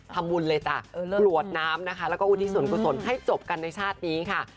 ทำบุญเลยจ้ะกรวดน้ำนะคะแล้วก็อุทิศส่วนกุศลให้จบกันในชาตินี้ค่ะ